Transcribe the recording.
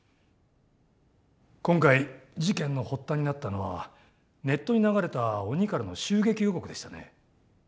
今回事件の発端になったのはネットに流れた鬼からの襲撃予告でしたね。